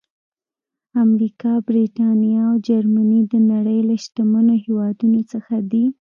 امریکا، برېټانیا او جرمني د نړۍ له شتمنو هېوادونو څخه دي.